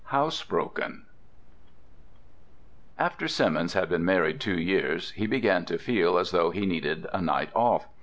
HOUSEBROKEN After Simmons had been married two years he began to feel as though he needed a night off.